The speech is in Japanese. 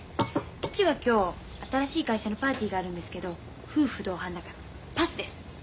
父は今日新しい会社のパーティーがあるんですけど夫婦同伴だからパスです。